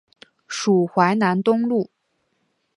属淮南东路。